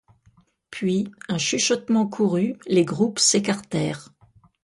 Puis, un chuchotement courut, les groupes s'écartèrent.